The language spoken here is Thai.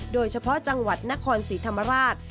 โดยเฉพาะจังหวัดนครศรีธรรมราช